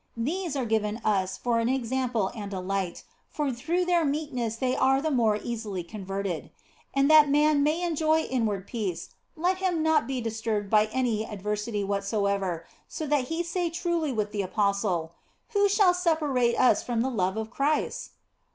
These are given us for an example and a light, for through their meekness they are the more easily converted. And that man may enjoy inward peace let him not be disturbed by any adversity whatsoever, so that he say truly with the apostle, " Who shall separate us from the love of Christ